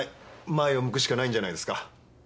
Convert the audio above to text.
前を向くしかないんじゃないですか？